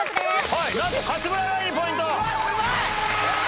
はいなんと勝村ナインにポイント。